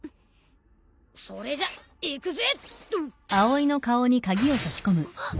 それじゃいくぜ！